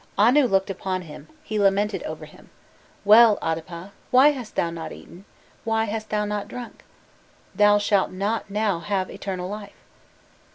Anu looked upon him; he lamented over him: "'Well, Adapa, why hast thou not eaten why hast thou not drunk? Thou shalt not now have eternal life.